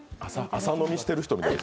朝飲みしてる人みたい。